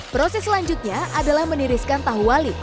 proses selanjutnya adalah meniriskan tahu wali